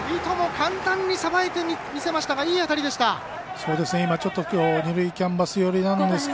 簡単にさばいてみせましたがいい当たりでした。